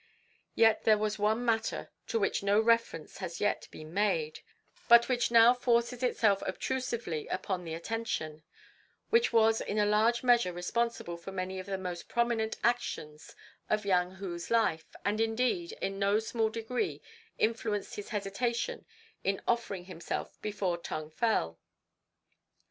Yet there was one matter to which no reference has yet been made, but which now forces itself obtrusively upon the attention, which was in a large measure responsible for many of the most prominent actions of Yang Hu's life, and, indeed, in no small degree influenced his hesitation in offering himself before Tung Fel.